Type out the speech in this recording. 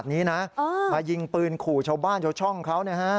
มายิงปืนขู่ชาวบ้านชาวช่องของเขา